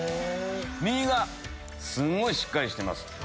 身がすんごいしっかりしてます。